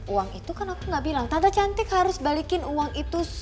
uang itu kan aku gak bilang tante cantik harus balikin uang itu